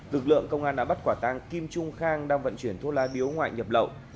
lực lượng công an đã bắt quả tang kim trung khang đang vận chuyển thuốc lá điếu ngoại nhập lậu